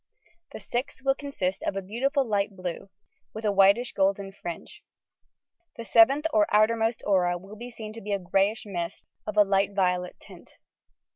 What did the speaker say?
The sixth will consist of a beautiful light blue, with a whitish golden fringe. The seventh or outermost aura will be seen to be a greyish mist, of a light violet tint.